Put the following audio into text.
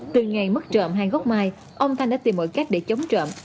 từ ngày mất trộm hai gốc mai ông thanh đã tìm mọi cách để chống trộm